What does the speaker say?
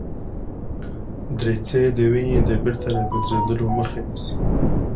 دریڅې د وینې د بیرته ګرځیدلو مخه نیسي.